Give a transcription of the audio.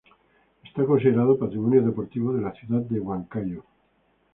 Es considerado Patrimonio Deportivo de la ciudad de Huancayo.